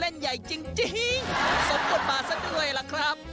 มันเล่นใหญ่จริงสมกับมาเสียด้วยล่ะครับ